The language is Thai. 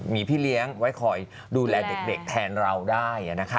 มีพี่เลี้ยงไว้คอยดูแลเด็กแทนเราได้